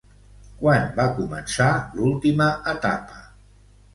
Quan va començar l'última etapa?